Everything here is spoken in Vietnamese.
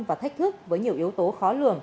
và thách thức với nhiều yếu tố khó lường